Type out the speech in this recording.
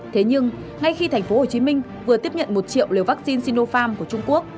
thế nhưng ngay khi thành phố hồ chí minh vừa tiếp nhận một triệu liều vaccine sinopharm của trung quốc